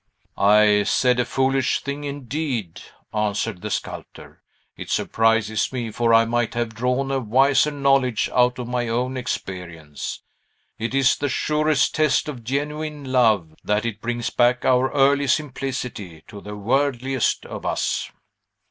"I said a foolish thing, indeed," answered the sculptor. "It surprises me, for I might have drawn a wiser knowledge out of my own experience. It is the surest test of genuine love, that it brings back our early simplicity to the worldliest of us."